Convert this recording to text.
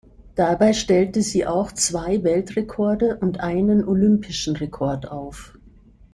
Dabei stellte sie auch zwei Weltrekorde und einen olympischen Rekord auf.